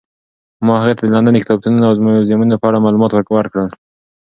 ما هغې ته د لندن د کتابتونونو او موزیمونو په اړه معلومات ورکړل.